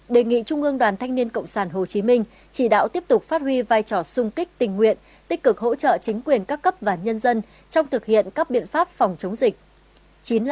đề nghị trung ương đoàn thanh niên cộng sản hồ chí minh chỉ đạo tiếp tục phát huy vai trò sung kích tình nguyện tích cực hỗ trợ chính quyền các cấp và nhân dân trong thực hiện các biện pháp phòng chống dịch